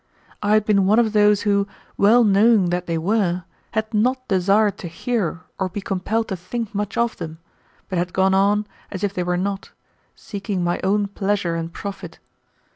I had been one of those who, well knowing that they were, had not desired to hear or be compelled to think much of them, but had gone on as if they were not, seeking my own pleasure and profit.